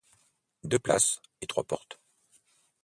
Deux places et trois portes.